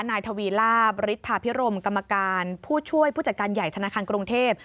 นายทวีลาบริษฐาพิรมกรรมการผู้ช่วยผู้จัดการใหญ่ธนาคารกรุงเทพ